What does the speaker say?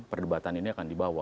perdebatan ini akan dibawa